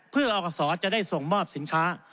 เพื่ออคศจะได้ส่งมอบสินค้า